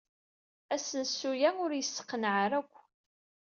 Asensu-a ur yesseqnaɛ ara akk.